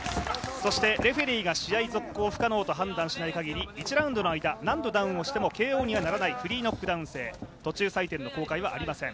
そしてレフェリーが試合続行不可能と判断しない限り１ラウンドの間、何度ダウンをしてもＫＯにはならないフリーノックダウン制、途中採点の公開はありません。